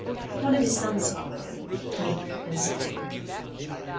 One of his sons followed him, meek and subdued.